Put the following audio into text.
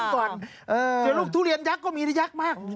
เดี๋ยวลูกทุเรียนยักษ์ก็มีนะยักษ์มาก